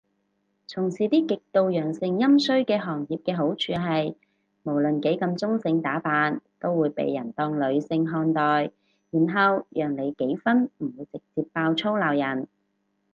從事啲極度陽盛陰衰嘅行業嘅好處係，無論幾咁中性打扮都會被人當女性看待，然後讓你幾分唔會直接爆粗鬧人